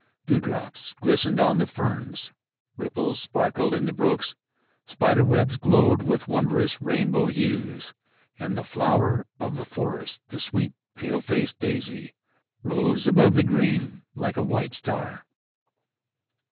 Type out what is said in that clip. Dewdrops glistened on the ferns; ripples sparkled in the brooks; spider webs glowed with wondrous rainbow hues, and the flower of the forest, the sweet, pale faced daisy, rose above the green like a white star.